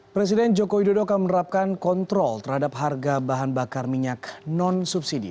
presiden joko widodo akan menerapkan kontrol terhadap harga bahan bakar minyak non subsidi